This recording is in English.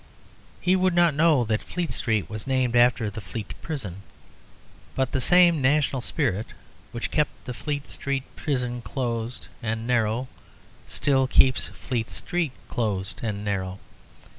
He would not know that Fleet Street was named after the Fleet Prison. But the same national spirit which kept the Fleet Prison closed and narrow still keeps Fleet Street closed and narrow.